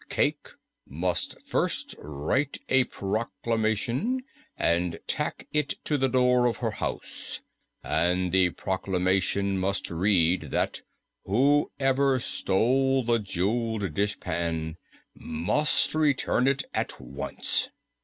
Cayke must first write a Proclamation and tack it to the door of her house, and the Proclamation must read that whoever stole the jeweled dishpan must return it at once."